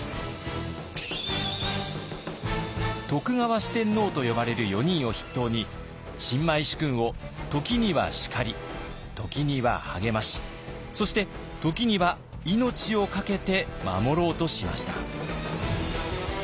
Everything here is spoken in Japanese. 徳川四天王と呼ばれる４人を筆頭に新米主君を時には叱り時には励ましそして時には命を懸けて守ろうとしました。